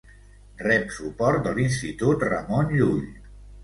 Rep suport de l'Institut Ramon Llull.